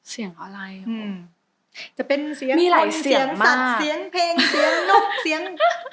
เสียงอะไรจะเป็นเสียงสัตว์เสียงเพลงเสียงนกเสียง